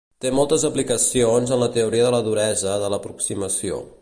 Té moltes aplicacions en la teoria de la duresa de l'aproximació.